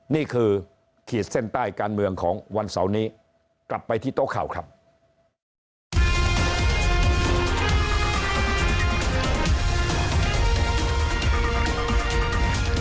นี่คือขีดเส้นใต้การเมืองของวันเสาร์นี้กลับไปที่โต๊ะข่าวครับ